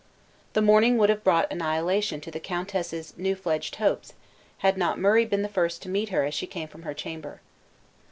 The morning would have brought annihilation to the countess' new fledged hopes, had not Murray been the first to meet her as she came from her chamber.